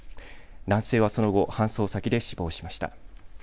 男性はその後、搬送先で死亡しました。